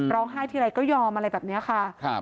ร้องไห้ทีไรก็ยอมอะไรแบบนี้ค่ะ